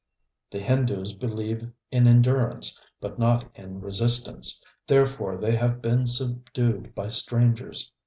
The Hindoos believe in endurance, but not in resistance; therefore they have been subdued by strangers.